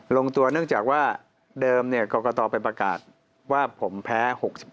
ลงตัวเนื่องจากว่าเดิมกรกตไปประกาศว่าผมแพ้๖๒